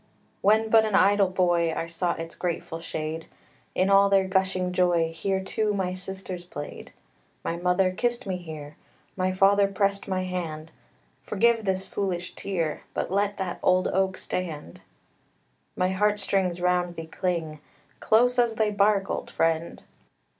When but an idle boy, I sought its grateful shade; In all their gushing joy Here, too, my sisters played. My mother kissed me here; My father pressed my hand Forgive this foolish tear, But let that old oak stand. My heart strings round thee cling, Close as thy bark, old friend!